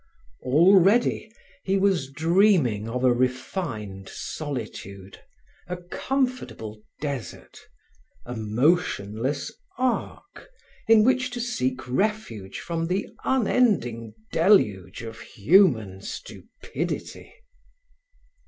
Already, he was dreaming of a refined solitude, a comfortable desert, a motionless ark in which to seek refuge from the unending deluge of human stupidity.